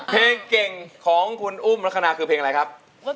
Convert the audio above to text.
เพลงเก่งของคุณอุ้มลักษณะคือเพลงอะไรครับ